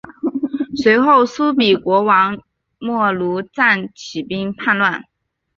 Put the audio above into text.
随后苏毗国王没庐赞起兵叛乱。